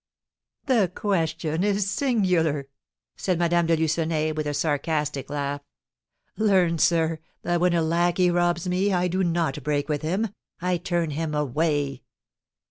"The question is singular!" said Madame de Lucenay, with a sarcastic laugh. "Learn, sir, that when a lackey robs me, I do not break with him, I turn him away."